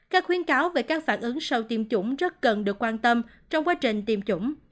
các khuyến cáo về các phản ứng sau tiêm chủng rất cần được quan tâm trong quá trình tiêm chủng